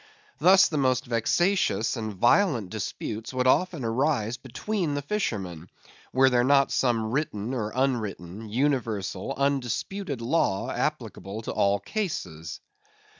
Thus the most vexatious and violent disputes would often arise between the fishermen, were there not some written or unwritten, universal, undisputed law applicable to all cases.